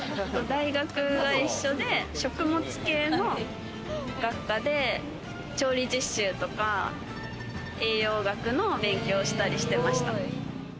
大学が一緒で、食物系の学科で、調理実習とか栄養学の勉強をしたりしてました。